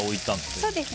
そうですね